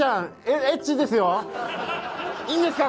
いいんですか？